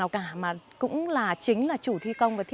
cái này là con gì nhỉ